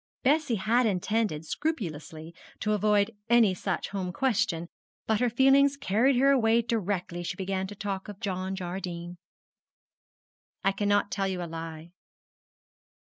Bessie had intended scrupulously to avoid any such home question; but her feelings carried her away directly she began to talk of John Jardine. 'I cannot tell you a lie.